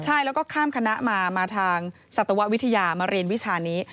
ใช่แล้วก็ข้ามคณะมามาทางสัตววิทยามาเรียนวิชานี้